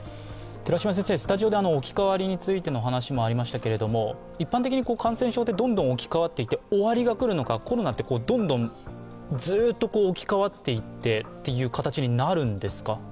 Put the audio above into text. スタジオで置き換わりについての話もありましたけれども一般的に感染症ってどんどん置き換わっていって、終わりが来るのかコロナってどんどん、ずっと置き換わっていってっていう形になるんですか？